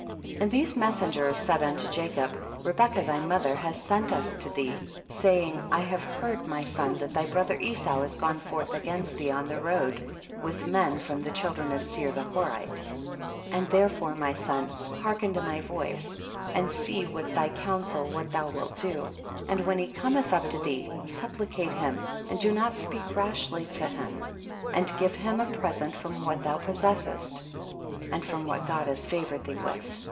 * 74. And these messengers said unto Jacob, Rebecca tliy mother has sent us to thee, saying, I have heard, my son, that thy brother Esau has gone forth against thee on the road with men from the children of Seir the Horite. 75. And therefore, my son, hear ken to my voice and see with thy counsel what thou wilt do, and when he Cometh up to thee, supplicate him, and do not speak rashly to him, and * Hebrew, peace. THE BOOK OF JASHER. 91 give him a present fx'om what thou possessest, and from what God has favored thee with.